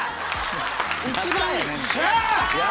一番いい。